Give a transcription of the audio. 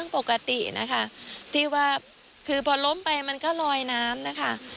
ปกตินะคะที่ว่าคือพอล้มไปมันก็ลอยน้ำนะคะ